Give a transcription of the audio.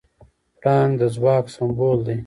پړانګ د ځواک سمبول دی.